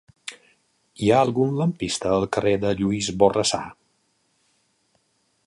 Hi ha algun lampista al carrer de Lluís Borrassà?